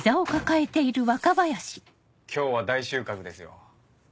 今日は大収穫ですよ。